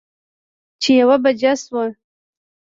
چې يوه بجه شوه